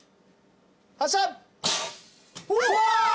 発射！